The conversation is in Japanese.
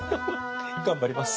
頑張ります。